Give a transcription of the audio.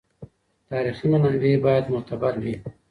تاریخي منابع باید معتبر وي.